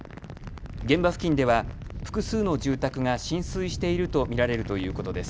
現場付近では複数の住宅が浸水していると見られるということです。